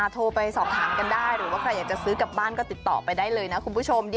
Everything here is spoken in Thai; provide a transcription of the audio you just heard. โทรไปสอบถามกันได้หรือว่าใครอยากจะซื้อกลับบ้านก็ติดต่อไปได้เลยนะคุณผู้ชม